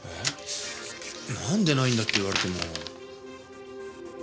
なんでないんだって言われても。